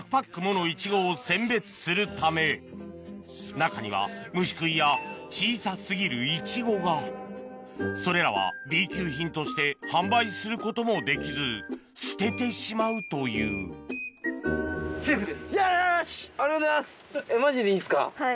中には虫食いや小さ過ぎるイチゴがそれらはＢ級品として販売することもできず捨ててしまうというよしありがとうございますマジでいいんですか？